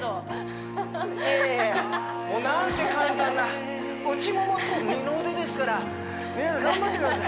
もうなんて簡単な内モモと二の腕ですから皆さん頑張ってください